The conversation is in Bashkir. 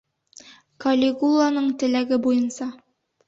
Калигуланың теләге буйынса.